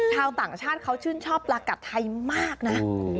ชาวต่างชาติเขาชื่นชอบปลากัดไทยมากนะ